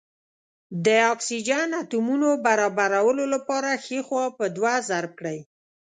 د اکسیجن اتومونو برابرولو لپاره ښۍ خوا په دوه ضرب کړئ.